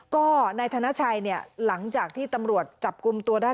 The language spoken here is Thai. ก็นายธนชัยเนี่ยหลังจากที่ตำรวจจับกลุ่มตัวได้